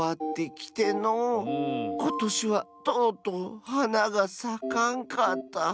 ことしはとうとうはながさかんかった。